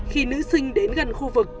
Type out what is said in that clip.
khi nữ sinh đến gần khu vực